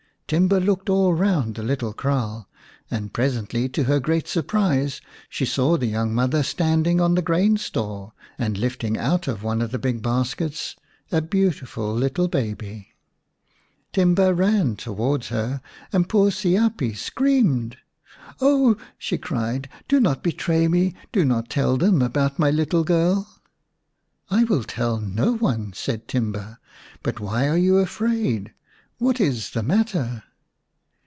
Timba looked all round the little kraal, and presently, to her great surprise, she saw the young mother standing on the grain store and lifting out of one of the big baskets a beautiful little baby. Timba ran towards her and poor Siapi screamed. " Oh !" she cried, " do not betray me, do not tell them about my little girl !"" I will teU no one," said Timba. " But why are you afraid ? What is the matter